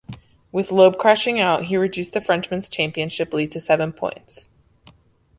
With Loeb crashing out, he reduced the Frenchman's championship lead to seven points.